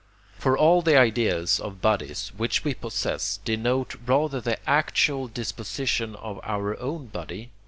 For all the ideas of bodies, which we possess, denote rather the actual disposition of our own body (II.